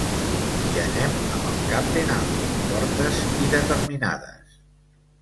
Hi anem amb el cap ben alt, fortes i determinades.